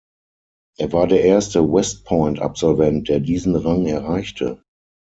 Er war der erste West-Point-Absolvent, der diesen Rang erreichte.